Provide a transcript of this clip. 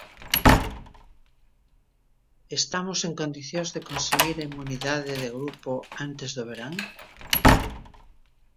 Estamos en condicións de conseguir a inmunidade de grupo antes do verán?